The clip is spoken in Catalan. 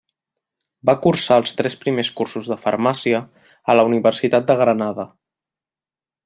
Va cursar els tres primers cursos de Farmàcia a la Universitat de Granada.